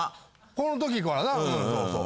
この時からなそうそうそう。